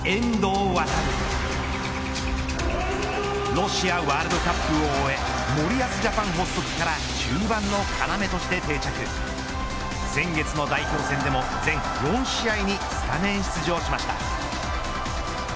ロシアワールドカップを終え森保ジャパン発足から中盤の要として定着先月の代表戦でも全４試合にスタメン出場しました。